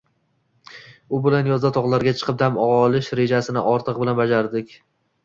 U bilan yozda tog‘larga chiqib dam olish rejasini ortig‘i bilan bajarardik